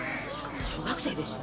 「小学生でしょ？